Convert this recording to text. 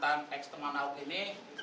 mantan ex teman ahok ini